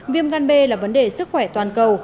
viêm gan b là vấn đề sức khỏe toàn cầu